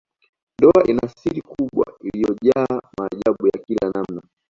Ndoa ina siri kubwa iliyojaa maajabu ya kila namna